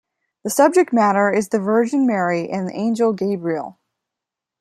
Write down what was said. The subject matter is the Virgin Mary and angel Gabriel.